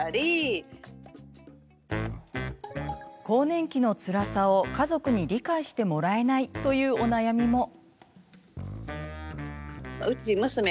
更年期のつらさを家族に理解してもらえないというお悩みも。